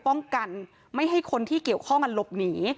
ป้องกันไม่ให้คนที่เกี่ยวข้องมันหลบหนี